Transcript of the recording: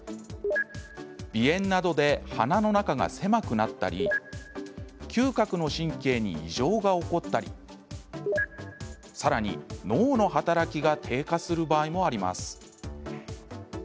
鼻炎などで鼻の中が狭くなったり嗅覚の神経に異常が起こったりさらに、脳の働きが低下する場合もあります。